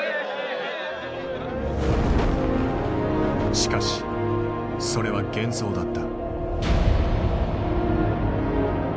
しかしそれは幻想だった。